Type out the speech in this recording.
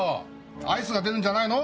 アイスが出るんじゃないの？